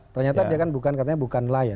ternyata dia kan bukan katanya bukan nelayan